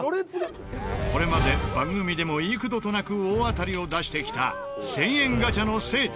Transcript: これまで番組でも幾度となく大当たりを出してきた１０００円ガチャの聖地